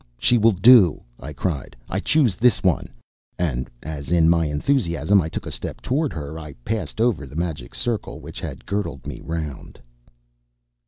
"She will do!" I cried; "I choose this one;" and as, in my enthusiasm, I took a step toward her, I passed over the magic circle which had girdled me round.